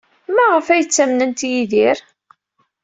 Maɣef ay ttamnent Yidir?